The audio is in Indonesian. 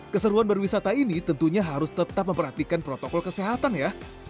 keseruan berwisata ini tentunya harus tetap memperhatikan protokol kesehatan ya